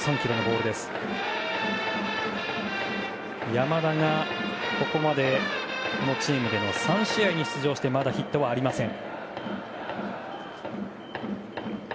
山田が、ここまでこのチームで３試合に出場してまだヒットはありません。